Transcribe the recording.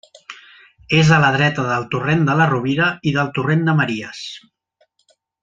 És a la dreta del torrent de la Rovira i del torrent de Maries.